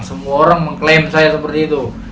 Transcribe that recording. semua orang mengklaim saya seperti itu